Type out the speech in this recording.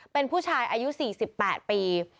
เป็นผู้ชายอายุ๔๘ปี